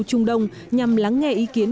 trung đông nhằm lắng nghe ý kiến